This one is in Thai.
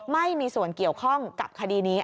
ไม่มีส่วนเกี่ยวข้องกับคดีนี้